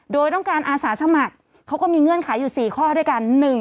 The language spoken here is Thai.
โดยต้องการอาสาสมัครเขาก็มีเงื่อนไขอยู่๔ข้อด้วยกัน